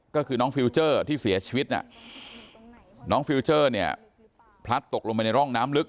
ก็คือน้องฟิลเจอร์ที่เสียชีวิตน้องฟิลเจอร์พลัดตกลงมาล่องน้ำลึก